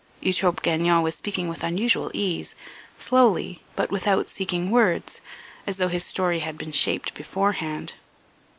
Eutrope Gagnon was speaking with unusual ease, slowly, but without seeking words, as though his story had been shaped beforehand.